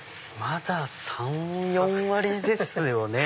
まだ３４割ですよね。